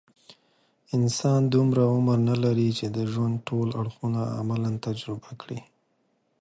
انسان دومره زیات عمر نه لري، چې د ژوند ټول اړخونه عملاً تجربه کړي.